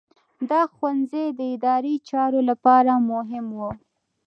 دا ښوونځي د اداري چارو لپاره مهم وو.